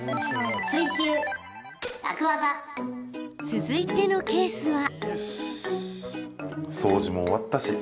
続いてのケースは。